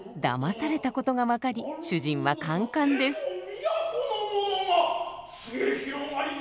だまされたことが分かり主人はかんかんです。